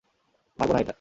মারবো না একটা!